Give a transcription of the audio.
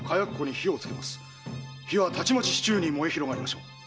火はたちまち市中に燃え広がりましょう。